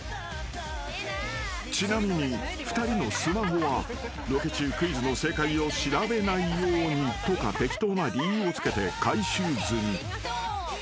［ちなみに２人のスマホはロケ中クイズの正解を調べないようにとか適当な理由をつけて回収済み］